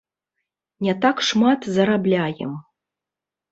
Не так шмат зарабляем.